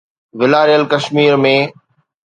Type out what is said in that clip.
والاريل ڪشمير ۾